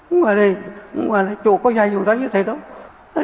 ngoài đây ngoài đây chúa có dạy chúng ta như thế đó